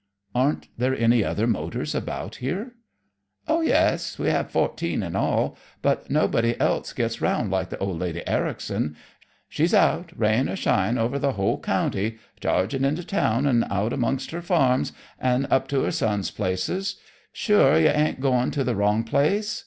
"Aren't there any other motors about here?" "Oh, yes! we have fourteen in all. But nobody else gets around like the Old Lady Ericson. She's out, rain er shine, over the whole county, chargin' into town and out amongst her farms, an' up to her sons' places. Sure you ain't goin' to the wrong place?"